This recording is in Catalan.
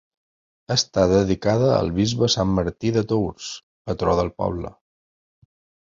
Està dedicada al bisbe Sant Martí de Tours, patró del poble.